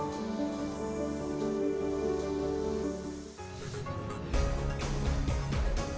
ini tidak khususnya product yang sudah di personnel pemerintahan yang diketahui itu tidak face off